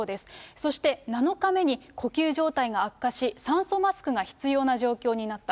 そして７日目に呼吸状態が悪化し、酸素マスクが必要な状況になった。